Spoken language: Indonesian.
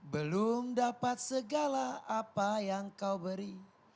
belum dapat segala apa yang kau beri